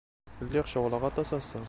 Lliɣ ceɣleɣ aṭas ass-a.